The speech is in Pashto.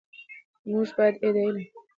موږ باید د علم په برخه کې خیرات ته ارزښت ورکړو.